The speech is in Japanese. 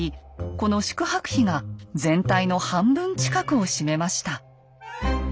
この宿泊費が全体の半分近くを占めました。